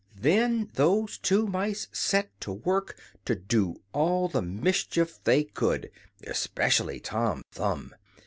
Then those mice set to work to do all the mischief they could especially Tom Thumb!